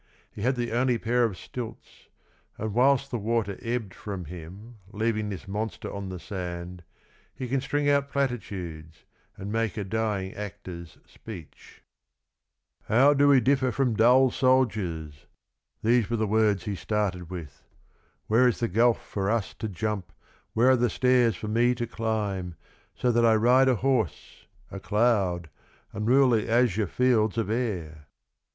He had the only pair of stilts, and whilst the water ebbed from him leaving this, monster on the sand, he can string out platitudes, and make a dying actor's speech. 31 " How do we differ from dull soldiers? " these were the words he started with —" Where is the gulf for us to jump, where are the stairs for me to climb, so that I ride a horse, a cloud, and rule the azure fields of air